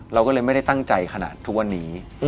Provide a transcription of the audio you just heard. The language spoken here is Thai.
เราก็เลยไม่ได้ตั้งใจขนาดทุกวันนี้